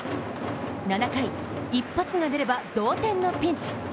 ７回、一発が出れば同点のピンチ。